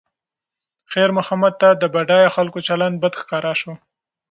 خیر محمد ته د بډایه خلکو چلند بد ښکاره شو.